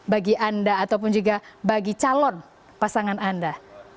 bagi anda ataupun juga bagi calon pasangan anda